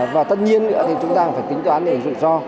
và tất nhiên nữa thì chúng ta cũng phải tính toán về rủi ro